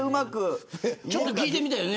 ちょっと聞いてみたいよね。